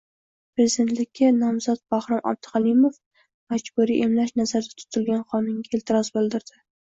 Prezidentlikka nomzod Bahrom Abduhalimov majburiy emlash nazarda tutilgan qonunga e’tiroz bildirdi